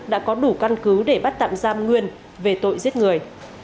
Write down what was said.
đã có đủ căn cứ để bắt tạm giam nguyên về tội giết người